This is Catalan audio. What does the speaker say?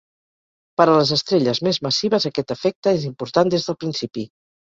Per a les estrelles més massives aquest efecte és important des del principi.